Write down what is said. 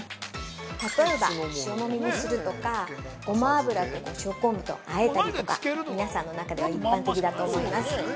例えば、塩もみにするとかゴマ油と塩昆布とあえたりとか皆さんの中では一般的だと思います。